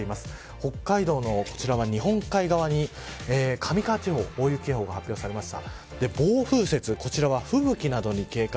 北海道の日本海側に上川町大雪警報が発報されました。